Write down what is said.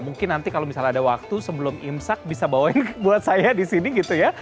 mungkin nanti kalau misalnya ada waktu sebelum imsak bisa bawain buat saya di sini gitu ya